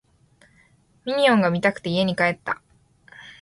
ミニオンが見たくて家に帰った